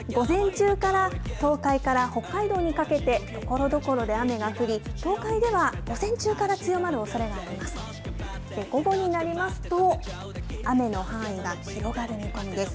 午前中から東海から北海道にかけて、ところどころで雨が降り、東海では午前中から強まるおそれがあります。